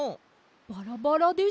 バラバラでした。